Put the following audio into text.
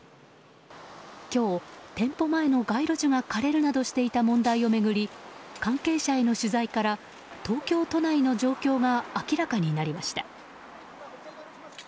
今日、店舗前の街路樹が枯れるなどしていた問題を巡り関係者への取材から東京都内の状況が明らかになりました。